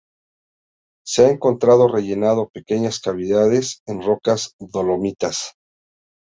Se ha encontrado rellenando pequeñas cavidades en rocas dolomitas.